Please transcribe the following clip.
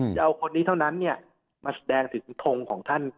จะเอาคนนี้เท่านั้นมาแสดงถึงทงของท่าน